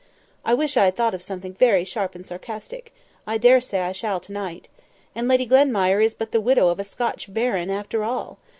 I wish I had thought of something very sharp and sarcastic; I dare say I shall to night. And Lady Glenmire is but the widow of a Scotch baron after all!